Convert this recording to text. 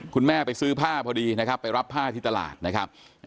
คุณแม่ไปซื้อผ้าพอดีนะครับไปรับผ้าที่ตลาดนะครับ